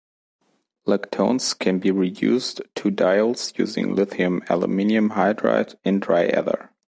Lactones can be reduced to diols using lithium aluminium hydride in dry ether.